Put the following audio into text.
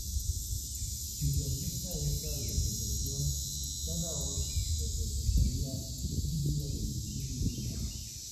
Si se acepta esta interpretación, cada hoz representaría un día del ciclo lunar.